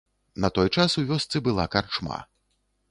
На той час у вёсцы была карчма.